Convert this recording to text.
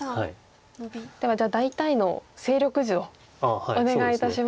では大体の勢力図をお願いいたします。